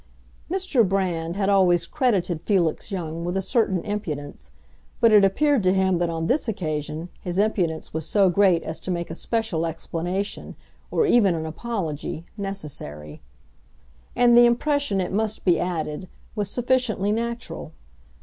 Mr. Brand had always credited Felix Young with a certain impudence, but it appeared to him that on this occasion his impudence was so great as to make a special explanation—or even an apology—necessary. And the impression, it must be added, was sufficiently natural.